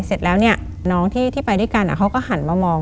เสร็จแล้วเนี่ยน้องที่ไปด้วยกันเขาก็หันมามอง